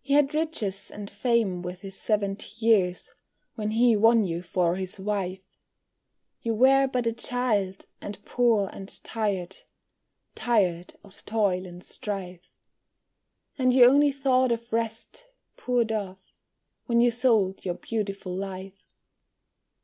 He had riches and fame with his seventy years When he won you for his wife; You were but a child, and poor, and tired, Tired of toil and strife; And you only thought of rest, poor dove, When you sold your beautiful life.